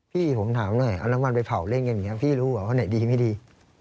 พี่ผมถามหน่อยเอาน้ำมันไปเผาเล่นกันอย่างนี้พี่รู้เหรอว่าไหนดีไม่ดี